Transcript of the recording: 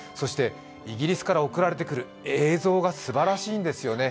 イギリスから送られてくる映像がすばらしいんですね。